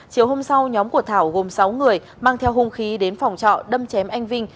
chiều hôm sau nhóm của thảo gồm sáu người mang theo hung khí đến phòng trọ đâm chém anh vinh